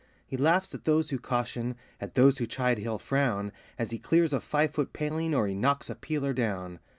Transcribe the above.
He laughs at those who caution, at those who chide he'll frown, As he clears a five foot paling, or he knocks a peeler down.